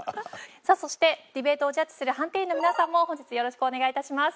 さあそしてディベートをジャッジする判定員の皆さんも本日よろしくお願いいたします。